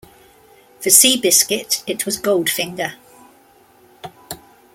For "Seabiscuit" it was "Goldfinger".